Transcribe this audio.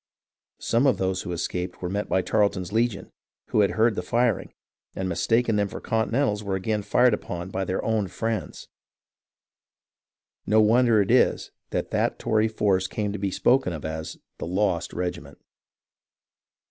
Some of those who escaped were met by Tarleton's legion, who had heard the firing, and mistaken by them for Continentals were again fired upon by their ozvnfriettds. No wonder is it that that Tory force came to be spoken of as "the lost regiment."